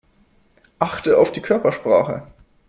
Achte auf die Körpersprache.